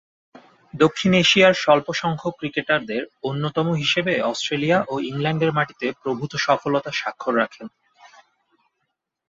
দক্ষিণ এশিয়ার স্বল্পসংখ্যক ক্রিকেটারদের অন্যতম হিসেবে অস্ট্রেলিয়া ও ইংল্যান্ডের মাটিতে প্রভূতঃ সফলতার স্বাক্ষর রাখেন।